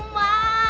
lalu tambahkan kue